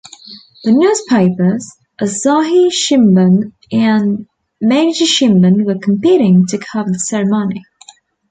The Newspapers Asahi Shimbun and Mainichi Shimbun were competing to cover the ceremony.